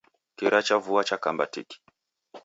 Kira cha vua chakamba tiki